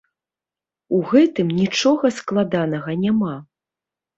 У гэтым нічога складанага няма.